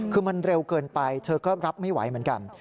คือมันเร็วเกินไปเธอก็รับไม่ไหวเหมือนกัน